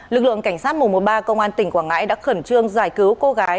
lực lượng cảnh sát một trăm một mươi ba công an tỉnh quảng ngãi đã khẩn trương giải cứu cô gái